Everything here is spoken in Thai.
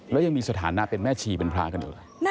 แล้วยังมีสถานะเป็นแม่ชีเป็นพระกันอยู่เลย